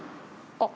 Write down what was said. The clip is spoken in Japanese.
あっ。